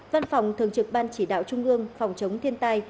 văn phòng thường trực ban chỉ đạo trung ương phòng chống thiên tai